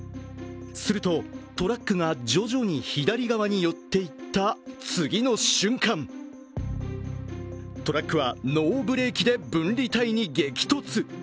するとトラックが徐々に左側に寄っていった次の瞬間トラックはノーブレーキで分離帯に激突。